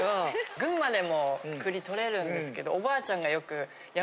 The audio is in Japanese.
群馬でも栗採れるんですけど。